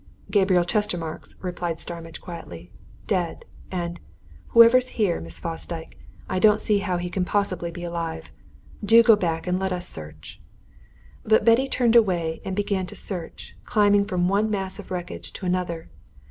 "Gabriel Chestermarke's," replied Starmidge quietly. "Dead! And whoever's here, Miss Fosdyke, I don't see how he can possibly be alive. Do go back and let us search." But Betty turned away and began to search, climbing from one mass of wreckage to another.